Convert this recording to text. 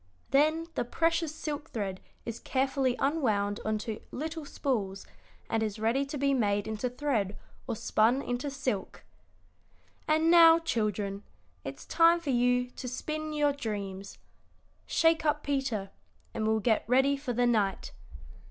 Then the precious silk thread is carefully unwound on to little spools, and is ready to be made into thread or spun into silk. "And now, children, it's time for you to spin your dreams. Shake up Peter, and we'll get ready for the night.